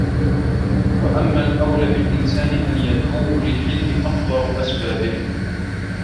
وَأَمَّا الْأَوْلَى بِالْإِنْسَانِ أَنْ يَدْعُوَهُ لَلْحِلْمِ أَفْضَلُ أَسْبَابِهِ